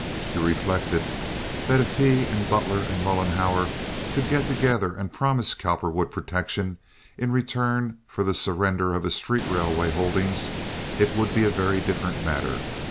He reflected that if he and Butler and Mollenhauer could get together and promise Cowperwood protection in return for the surrender of his street railway holdings it would be a very different matter.